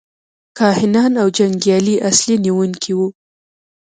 کاهنان او جنګیالي اصلي نیونکي وو.